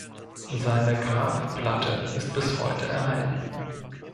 Seine Grabplatte ist bis heute erhalten.